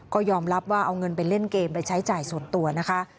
ก็ยอมรับว่าเอาเงินไปเล่นเกมไปใช้จ่ายส่วนตัวนะคะ